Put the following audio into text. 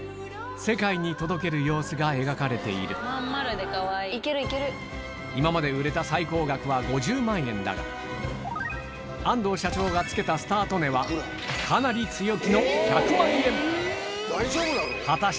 世界に届ける様子が描かれている今まで売れた最高額は５０万円だが安藤社長がつけたスタート値はかなり強気の１００万円